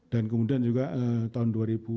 dan kemudian juga tahun dua ribu dua puluh dua